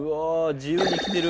自由に生きてる。